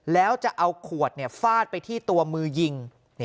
แล้วจะเอาขวดฟาดไปที่ตัวมือยิง